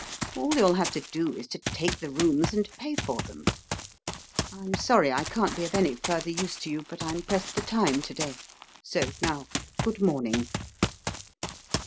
All you'll have to do is to take the rooms and pay for them. I'm sorry I can't be of any further use to you, but I'm pressed for time to day. So now, good morning."